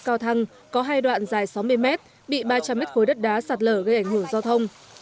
cao thăng có hai đoạn dài sáu mươi mét bị ba trăm linh mét khối đất đá sạt lở gây ảnh hưởng giao thông